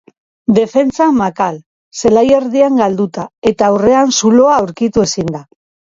Defentsan makal, zelai erdian galduta eta aurrean zuloa aurkitu ezinda.